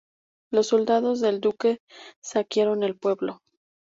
Los soldados del duque saquearon el pueblo.